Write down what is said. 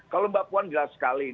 kalau mbak puan jelas sekali